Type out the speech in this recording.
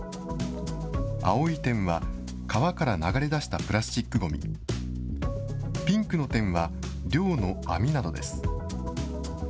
青い点は川から流れ出したプラスチックごみ、ピンクの点は漁の網などです。